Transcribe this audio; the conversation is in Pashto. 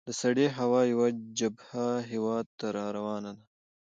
د سړې هوا یوه جبهه هیواد ته را روانه ده.